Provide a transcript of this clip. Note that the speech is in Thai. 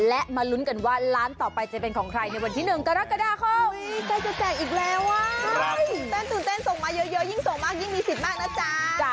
และมาลุ้นกันว่าร้านต่อไปจะเป็นของใครในวันที่๑กรกฎาคมใกล้จะแจกอีกแล้วเต้นตื่นเต้นส่งมาเยอะยิ่งส่งมากยิ่งมีสิทธิ์มากนะจ๊ะ